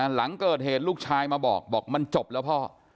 หลังเกิดเหตุลูกชายมาบอกบอกมันจบแล้วพ่อ